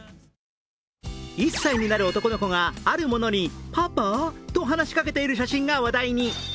１歳になる男の子が、あるものにパパ！？と話しかけている動画が話題に。